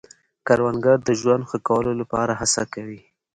کروندګر د ژوند ښه کولو لپاره هڅه کوي